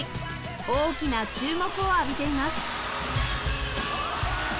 大きな注目を浴びています